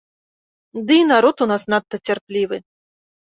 Дый народ у нас надта цярплівы.